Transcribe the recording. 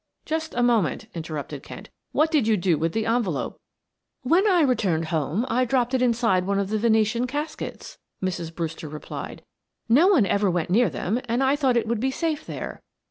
"Just a moment," interrupted Kent. "What did you do with the envelope?" "When I returned home I dropped it inside one of the Venetian caskets," Mrs. Brewster replied. "No one ever went near them, and I thought it would be safe there.